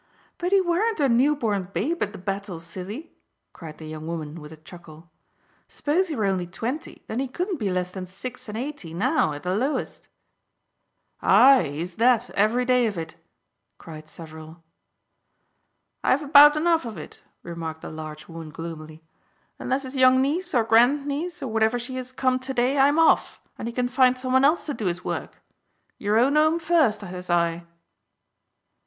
"But he weren't a newborn babe at the battle, silly!" cried the young woman with a chuckle. "S'pose he were only twenty, then he couldn't be less than six and eighty now, at the lowest." "Aye, he's that every day of it," cried several. "I've had 'bout enough of it," remarked the large woman gloomily. "Unless his young niece, or grandniece, or whatever she is, come to day, I'm off, and he can find some one else to do his work. Your own 'ome first, says I."